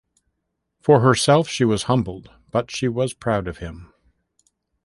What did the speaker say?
For herself she was humbled; but she was proud of him.